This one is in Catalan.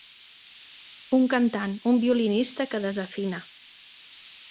Un cantant, un violinista, que desafina.